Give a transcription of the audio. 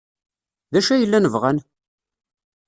D acu ay llan bɣan?